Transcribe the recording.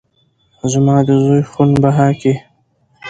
زما د زوى خون بها کې